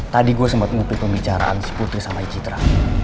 tadi gue sempet ngupil pembicaraan si putri sama icitra